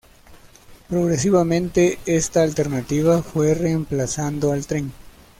Progresivamente esta alternativa fue reemplazando al tren.